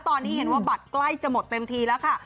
ตอนนี้เห็นว่าบัตรใกล้จะหมดเต็มทีแล้วค่ะ